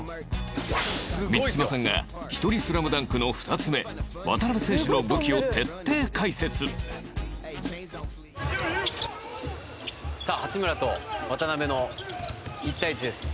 満島さんがひとりスラムダンクの２つ目渡邊選手の武器を徹底解説満島：さあ八村と渡邊の１対１です。